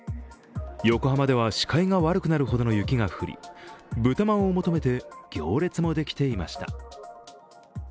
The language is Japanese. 横浜では視界が悪くなるほどの雪が降り、豚まんを求めて行列もできていました。